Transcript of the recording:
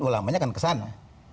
ulamanya kan ke sana